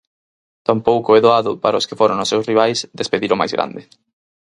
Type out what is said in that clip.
Tampouco é doado para os que foron os seus rivais despedir o máis grande.